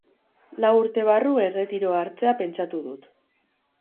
Lau urte barru erretiroa hartzea pentsatu dut.